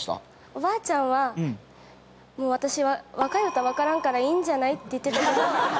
おばあちゃんは「もう私は若い歌わからんからいいんじゃない」って言ってたけど。